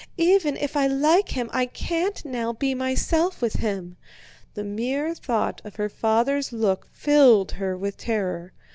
Even if I like him I can't now be myself with him." The mere thought of her father's look filled her with terror.